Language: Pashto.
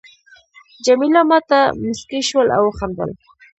جميله ما ته مسکی شول او وخندل.